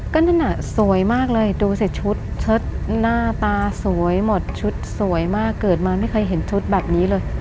ก็นั่นน่ะสวยมากเลยดูสิชุดเชิดหน้าตาสวยหมดชุดสวยมากเกิดมาไม่เคยเห็นชุดแบบนี้เลย